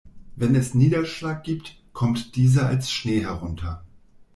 Wenn es Niederschlag gibt, kommt dieser als Schnee herunter.